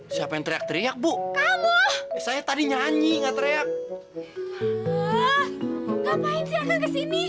siapa yang teriak teriak bu kamu saya tadi nyanyi enggak teriak